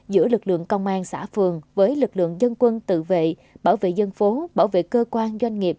giữa lực lượng công an xã phường với lực lượng dân quân tự vệ bảo vệ dân phố bảo vệ cơ quan doanh nghiệp